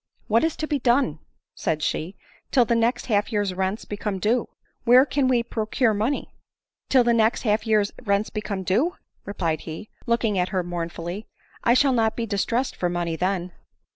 u What is to be done," said she, " till the next half year's rents become due ? Where can we procure money ?"" Till the next half year's rents become due !" replied he, looking at her mournfully ;" I shall not be distressed for money then."